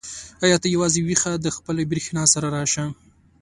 ای ته یوازې ويښه د خپلې برېښنا سره راشه.